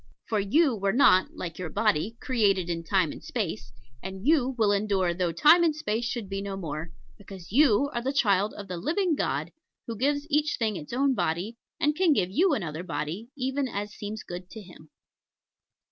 For you were not, like your body, created in Time and Space; and you will endure though Time and Space should be no more: because you are the child of the Living God, who gives to each thing its own body, and can give you another body, even as seems good to Him.